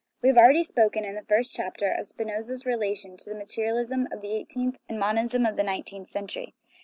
We have already spoken, in the first chapter, of Spinoza's relation to the materialism of the eigh teenth and the monism of the nineteenth century.